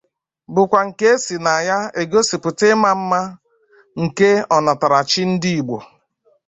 bụkwa nke e si na ya egosipụta ịma mma nke ọnatarachi Ndị Igbo